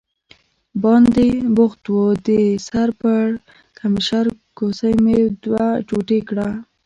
باندې بوخت و، د سر پړکمشر کوسۍ مې دوه ټوټې کړه.